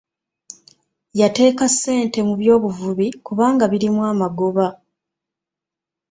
Yateeka ssente mu by'obuvubi kubanga balimu amagoba.